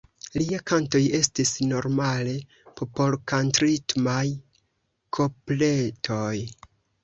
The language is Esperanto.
Liaj kantoj estis normale popolkantritmaj kopletoj.